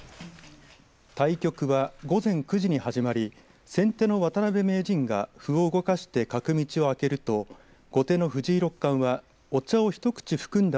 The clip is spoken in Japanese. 対局は午前９時に始まり先手の渡辺名人が歩を動かして角道を空けると後手の藤井六冠はお茶を一口含んだ